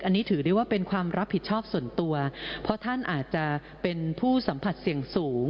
อันนี้ถือได้ว่าเป็นความรับผิดชอบส่วนตัวเพราะท่านอาจจะเป็นผู้สัมผัสเสี่ยงสูง